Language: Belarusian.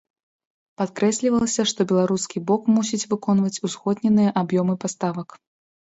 Падкрэслівалася, што беларускі бок мусіць выконваць узгодненыя аб'ёмы паставак.